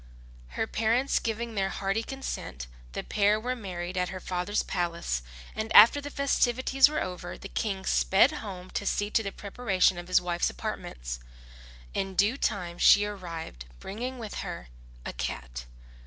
Her parents giving their hearty consent, the pair were married at her father's palace; and after the festivities were over, the King sped home to see to the preparation of his wife's apartments. In due time she arrived, bringing with her a cat.